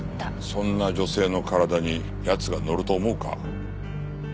そんな女性の体に奴が乗ると思うか？